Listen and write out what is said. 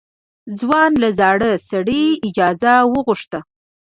ځوان له زاړه سړي اجازه وغوښته.